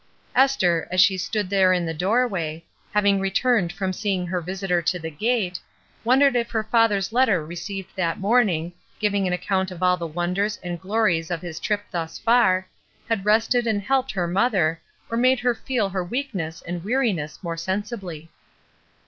Esther, as she stood there in the doorway, havmg returned from seeing her visitor to the gate, wondered if her father's letter received that morning, givmg an account of all the wonders and glories of his trip thus far, had rested and helped her mother, or made her feel her weakness and weariness more sensibly.